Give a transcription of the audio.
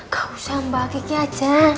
gak usah mbak kekik aja